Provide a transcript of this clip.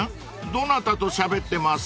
どなたとしゃべってます？］